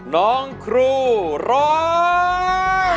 น้องครูร้อง